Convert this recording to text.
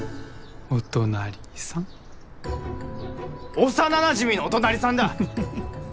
お隣さん幼なじみのお隣さんだ！